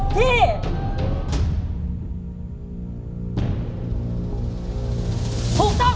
ถูก